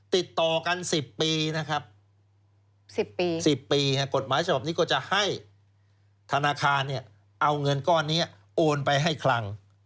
ติดต่อกัน๑๐ปีนะครับ๑๐ปี๑๐ปีกฎหมายฉบับนี้ก็จะให้ธนาคารเอาเงินก้อนนี้โอนไปให้คลัง